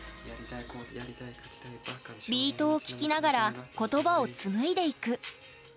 ビートを聴きながら言葉を紡いでいく。